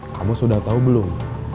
kamu sudah tau belum